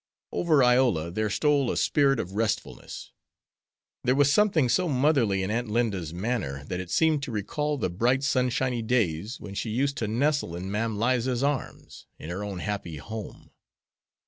Over Iola there stole a spirit of restfulness. There was something so motherly in Aunt Linda's manner that it seemed to recall the bright, sunshiny days when she used to nestle in Mam Liza's arms, in her own happy home.